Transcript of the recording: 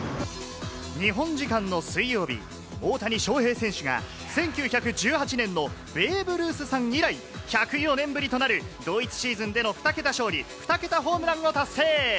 日本時間の水曜日、大谷翔平選手が１９１８年のベーブ・ルースさん以来、１０４年ぶりとなる同一シーズンでの２桁勝利２桁ホームランを達成。